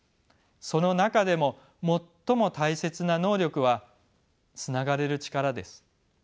その中でも最も大切な能力はつながれる力です。